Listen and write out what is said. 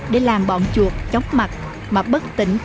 để làm bọn chuột chóng mặt mà bất tỉnh tí sự